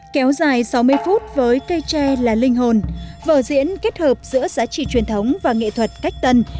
kéo dài sáu mươi phút với cây tre là linh hồn vở diễn kết hợp giữa giá trị truyền thống và nghệ thuật cách tân